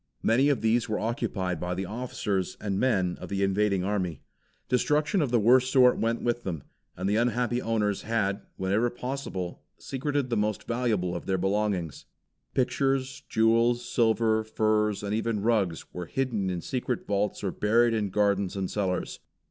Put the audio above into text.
Many of these were occupied by the officers and men of the invading army. Destruction of the worst sort went with them, and the unhappy owners had, whenever possible, secreted the most valuable of their belongings. Pictures, jewels, silver, furs and even rugs were hidden in secret vaults or buried in gardens and cellars.